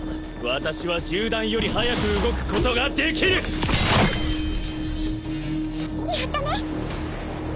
私は銃弾より速く動くことができるやったね